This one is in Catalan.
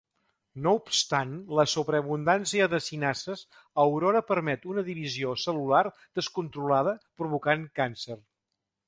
No obstant, la sobreabundància de cinasses Aurora permet una divisió cel·lular descontrolada, provocant càncer.